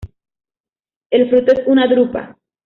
El fruto es una drupa.